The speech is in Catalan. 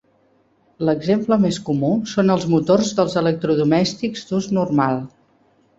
L'exemple més comú són els motors dels electrodomèstics d'ús normal.